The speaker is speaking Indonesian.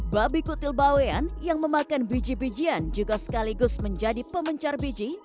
babi kutil bawean yang memakan biji bijian juga sekaligus menjadi pemencar biji